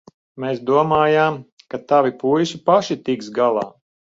Mēs domājām, ka tavi puiši paši tiks galā.